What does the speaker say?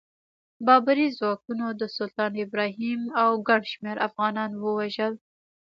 بابري ځواکونو د سلطان ابراهیم او ګڼ شمېر افغانان ووژل.